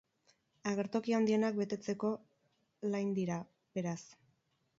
Agertoki handienak betetzeko lain dira, beraz.